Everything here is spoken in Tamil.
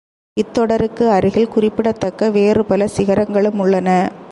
இத் தொடருக்கு அருகில் குறிப்பிடத்தக்க வேறுபல சிகரங்களும் உள்ளன.